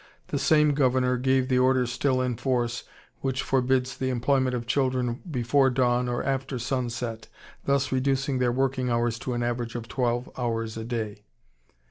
The same Governor gave the order still in force, which forbids the employment of children before dawn or after sunset, thus reducing their working hours to an average of twelve hours a day.